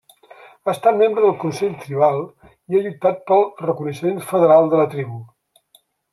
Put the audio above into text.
Ha estat membre del Consell tribal i ha lluitat pel reconeixement federal de la tribu.